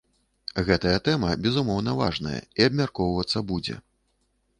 Гэтая тэма, безумоўна, важная і абмяркоўвацца будзе.